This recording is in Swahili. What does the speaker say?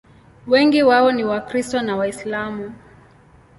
Wengi wao ni Wakristo na Waislamu.